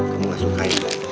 kamu gak suka ya